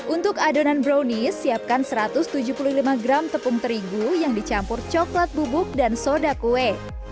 untuk adonan brownies siapkan satu ratus tujuh puluh lima gram tepung terigu yang dicampur coklat bubuk dan soda kue